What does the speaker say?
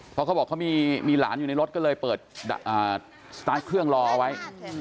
เพราะเขาบอกเขามีหลานอยู่ในรถก็เลยเปิดสตาร์ทเครื่องรอเอาไว้